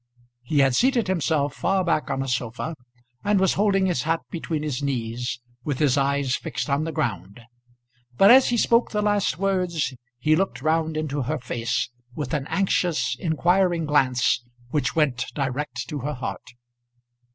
He had seated himself far back on a sofa, and was holding his hat between his knees, with his eyes fixed on the ground; but as he spoke the last words he looked round into her face with an anxious inquiring glance which went direct to her heart.